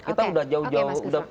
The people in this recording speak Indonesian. kita udah jauh jauh